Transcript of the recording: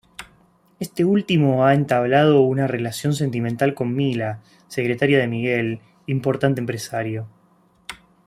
Este último ha entablado una relación sentimental con Mila, secretaria de Miguel, importante empresario.